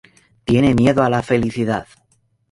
Tiene miedo a la felicidad.